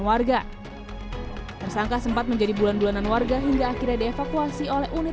warga tersangka sempat menjadi bulan bulanan warga hingga akhirnya dievakuasi oleh unit